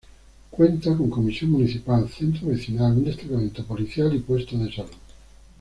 Cuenta con Comisión Municipal, centro vecinal, un destacamento policial y puesto de salud.